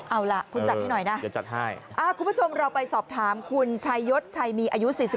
เอาล่ะคุณจัดให้หน่อยนะเดี๋ยวจัดให้คุณผู้ชมเราไปสอบถามคุณชายศชัยมีอายุ๔๒